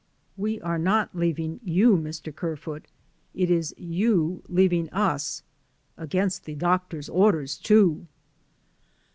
"We are not leaving you, Mr. Kerfoot ; it is you leaving us against the doctor's orders, too."